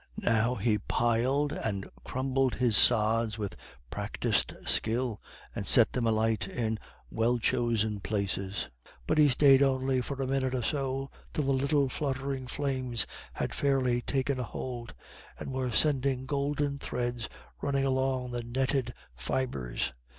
Now he piled and crumbled his sods with practised skill, and set them alight in well chosen places. But he stayed only for a minute or so, till the little fluttering flames had fairly taken a hold, and were sending golden threads running along the netted fibres.